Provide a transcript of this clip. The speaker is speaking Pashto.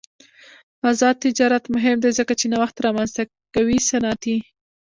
آزاد تجارت مهم دی ځکه چې نوښت رامنځته کوي صنعتي.